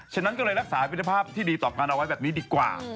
ฉะนั้นก็เลยรักษาวิทยาภาพที่ดีต่อกันเอาไว้แบบนี้ดีกว่า